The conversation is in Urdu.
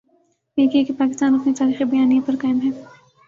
ایک یہ کہ پاکستان اپنے تاریخی بیانیے پر قائم ہے۔